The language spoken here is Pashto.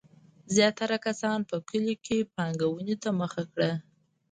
زیاتره کسانو په کلیو کې پانګونې ته مخه کړه.